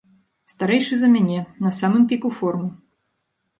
Старэйшы за мяне, на самым піку формы.